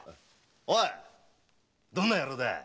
おいどんな野郎だ？